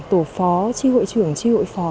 tổ phó tri hội trưởng tri hội phó